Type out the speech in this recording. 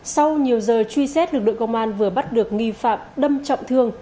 sau nhiều giờ truy xét lực lượng công an vừa bắt được nghi phạm đâm trọng thương